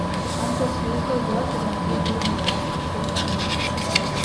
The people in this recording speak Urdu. ہم تصویر کو یک رنگی بھی بنا سکتے ہی